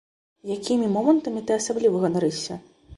Якімі момантамі ты асабліва ганарышся?